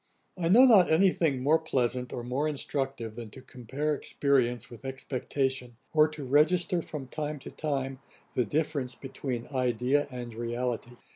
'I know not any thing more pleasant, or more instructive, than to compare experience with expectation, or to register from time to time the difference between idea and reality.